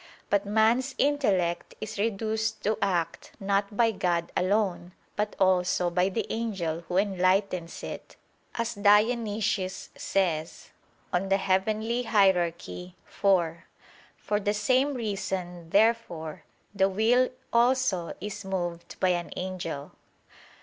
But man's intellect is reduced to act, not by God alone, but also by the angel who enlightens it, as Dionysius says (Coel. Hier. iv). For the same reason, therefore, the will also is moved by an angel.